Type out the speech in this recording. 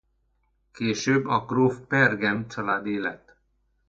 Később a gróf Pergen családé lett.